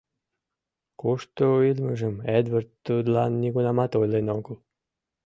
Кушто илымыжым Эдвард тудлан нигунамат ойлен огыл.